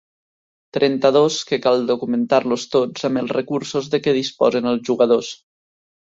Trenta-dos que cal documentar-los tots amb els recursos de què disposen els jugadors.